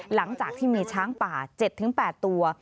หลังจากที่มีช้างป่า๗๘ตัว